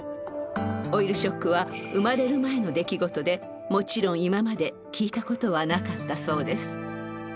オイルショックは生まれる前の出来事でもちろん今まで聞いたことはなかったそうです。